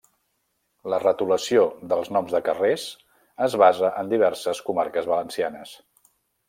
La retolació dels noms de carrers es basa en diverses comarques valencianes.